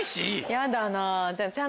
やだなぁ。